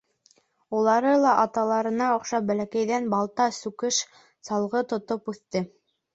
Улары ла аталарына оҡшап бәләкәйҙән балта, сүкеш, салғы тотоп үҫте.